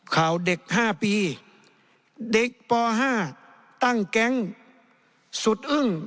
ข่าวเด็ก๕ปีเด็กป๕ตั้งแก๊งสุดอึ้ง